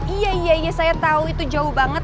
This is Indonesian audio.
iya iya saya tau itu jauh banget